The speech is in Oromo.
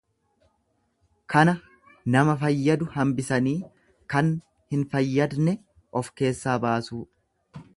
Kana nama fayyadu hambisanii kan hin fayyadne of keessaa baasuu.